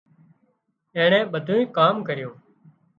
اينڻي ٻڌُونئي ڪام ڪريُون